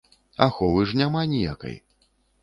Аховы ж няма ніякай.